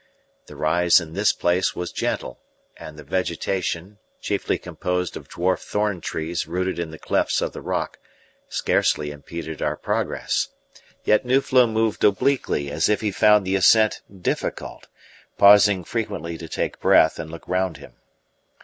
The rise in this place was gentle, and the vegetation, chiefly composed of dwarf thorn trees rooted in the clefts of the rock, scarcely impeded our progress; yet Nuflo moved obliquely, as if he found the ascent difficult, pausing frequently to take breath and look round him.